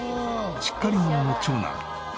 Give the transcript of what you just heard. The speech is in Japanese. しっかり者の長男。